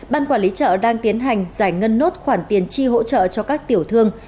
ban quản lý chợ đang tiến hành giải ngân nốt khoản tiền chi hỗ trợ cho các tiểu thương